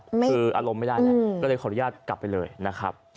คืออารมณ์ไม่ได้แล้วก็เลยขออนุญาตกลับไปเลยนะครับ